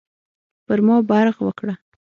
پر ما برغ وکړه.